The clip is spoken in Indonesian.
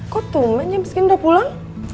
kok cuma jam sepuluh udah pulang